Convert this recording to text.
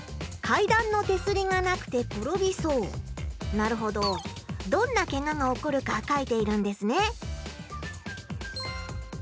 なるほどどんなケガが起こるか書いているんですね。